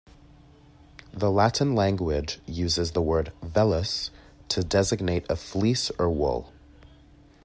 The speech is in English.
The Latin language uses the word "vellus" to designate "a fleece" or "wool".